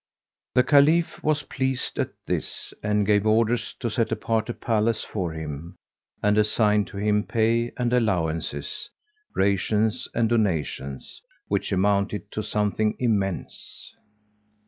The Caliph was pleased at this and gave orders to set apart a palace for him and assigned to him pay and allowances, rations and donations, which amounted to something immense.